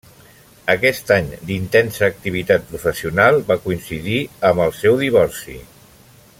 Aquest any, d'intensa activitat professional va coincidir amb el seu divorci.